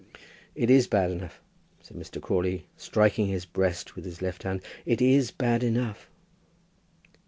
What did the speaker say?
"It is bad enough," said Mr. Crawley, striking his breast with his left hand. "It is bad enough."